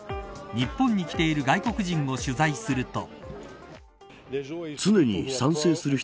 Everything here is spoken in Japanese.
日本に来ている外国人を取材すると。